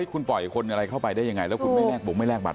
คุณปล่อยคนอะไรเข้าไปได้ยังไงแล้วคุณไม่แลกบงไม่แลกบัต